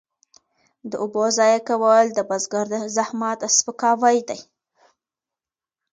د اوبو ضایع کول د بزګر د زحمت سپکاوی دی.